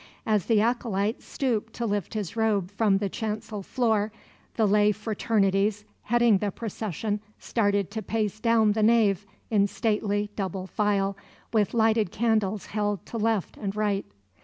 As the acolytes stooped to lift his robe from the chancel floor, the lay fraternities heading the procession started to pace down the nave in stately double file, with lighted candles held to left and right.